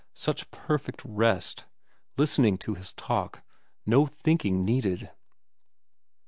Such perfect rest, Listening to his talk. No thinking needed.